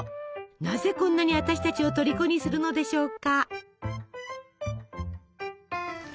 なぜこんなに私たちをとりこにするのでしょうか？